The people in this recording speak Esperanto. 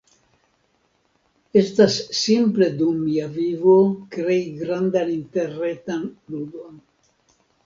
estas simple dum mia vivo krei grandan interretan ludon